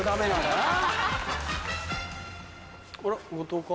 あら後藤か？